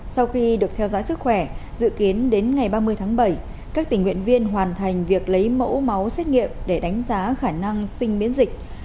sau khi được theo dõi sức khỏe dự kiến đến ngày ba mươi tháng bảy các tình nguyện viên hoàn thành việc lấy mẫu máu xét nghiệm để đánh giá khả năng sinh miễn dịch